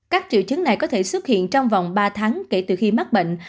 các triệu chứng này có thể xuất hiện trong vòng ba tháng kể từ khi mắc bệnh